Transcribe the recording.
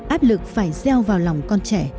áp lực phải gieo vào lòng con trẻ